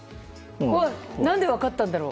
何で分かったんだろう。